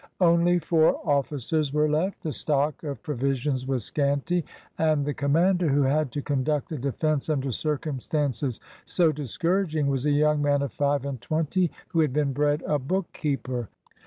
Only four officers were left; the stock of provisions was scanty; and the commander, who had to conduct the defense imder circumstances so discouraging, was a young man of five and twenty, who had been bred a bookkeeper.